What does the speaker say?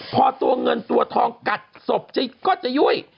พอตัวเงินตัวทองกัดศพก็จะยุ่ย